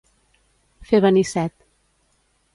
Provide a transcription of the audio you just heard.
Fer venir set.